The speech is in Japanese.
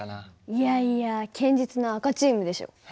いやいや堅実の赤チームでしょ。